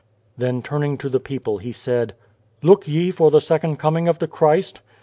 " Then turning to the people He said :" Look ye for the second coming of the Christ?"